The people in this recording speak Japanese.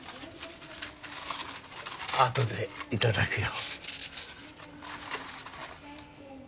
あとで頂くよ。